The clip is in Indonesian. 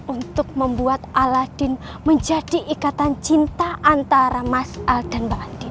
untuk membuat aladin menjadi ikatan cinta antara mas al dan mbak andi